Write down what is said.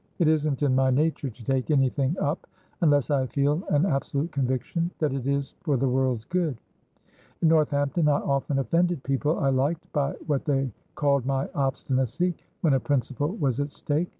It isn't in my nature to take anything up unless I feel an absolute conviction that it is for the world's good. At Northampton I often offended people I liked by what they called my obstinacy when a principle was at stake.